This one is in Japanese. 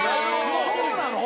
そうなの？